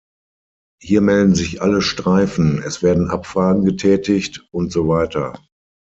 Hier melden sich alle Streifen, es werden Abfragen getätigt usw.